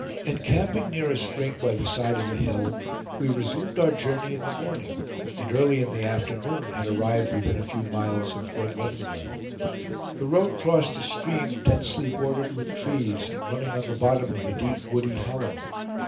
Encamping near a spring by the side of a hill, we resumed our journey in the morning, and early in the afternoon had arrived within a few miles of Fort Leavenworth. The road crossed a stream densely bordered with trees, and running in the bottom of a deep woody hollow.